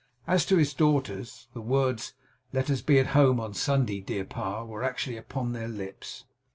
As to his daughters the words, 'Let us be at home on Saturday, dear pa,' were actually upon their lips.